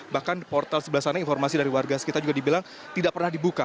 bahkan portal sebelah sana informasi dari warga sekitar juga dibilang tidak pernah dibuka